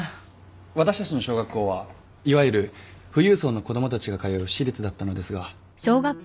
私たちの小学校はいわゆる富裕層の子供たちが通う私立だったのですが。